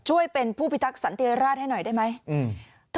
ช่วยเป็นผู้พิทักษันติยราชให้หน่อยได้ไหม